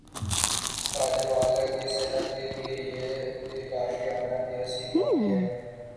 خادم اعلی کی صحت کیلئے یہ ایک آشیانہ کیس ہی کافی ہے۔